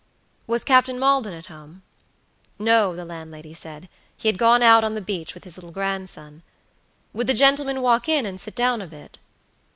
Was Captain Maldon at home? No, the landlady said; he had gone out on the beach with his little grandson. Would the gentleman walk in and sit down a bit?